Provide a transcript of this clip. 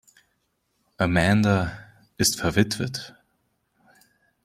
Amanda ist verwitwet.